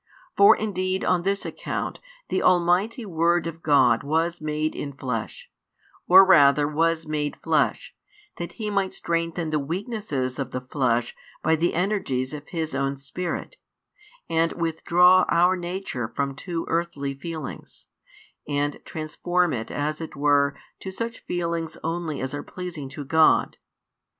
For indeed on this account the Almighty Word of Glod was made in Flesh, or rather was made Flesh, that He might strengthen the weaknesses of the flesh by the energies of His own Spirit, and withdraw our nature from too earthly feelings, and transform it as it were to such feelings only as are pleasing to God.